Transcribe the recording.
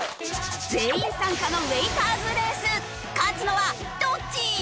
全員参加のウエイターズレース勝つのはどっち！？